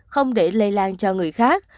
không để lây lan cho người khác